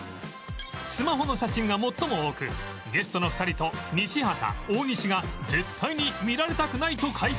スマホの写真が最も多くゲストの２人と西畑大西が絶対に見られたくないと解答